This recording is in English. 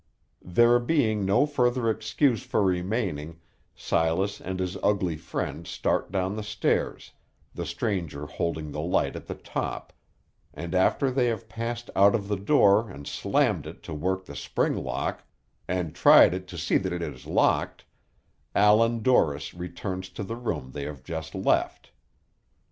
There being no further excuse for remaining, Silas and his ugly friend start down the stairs, the stranger holding the light at the top; and after they have passed out of the door and slammed it to work the spring lock, and tried it to see that it is locked, Allan Dorris returns to the room they have just left.